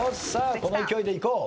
この勢いでいこう。